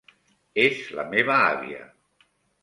És la meva àvia.